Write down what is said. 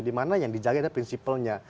dimana yang dijaga adalah prinsipalnya